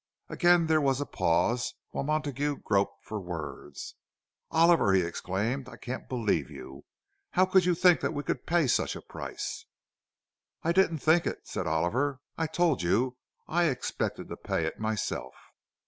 Again there was a pause, while Montague groped for words. "Oliver," he exclaimed, "I can't believe you! How could you think that we could pay such a price?" "I didn't think it," said Oliver; "I told you I expected to pay it myself."